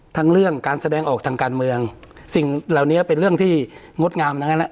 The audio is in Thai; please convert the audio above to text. ทั้งเรื่องการแสดงออกทางการเมืองสิ่งเหล่านี้เป็นเรื่องที่งดงามนะฮะ